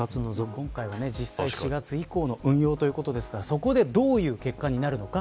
今回は実際４月以降の運用ということですがそこでどういう結果になるのか。